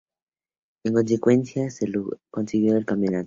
En consecuencia, a Zbyszko se le concedió el campeonato.